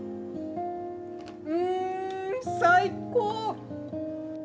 うん最高！